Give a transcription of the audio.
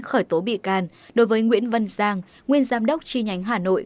khởi tố bị can đối với nguyễn vân giang nguyên giám đốc tri nhánh hà nội